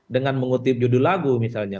dengan mengutip judul lagu misalnya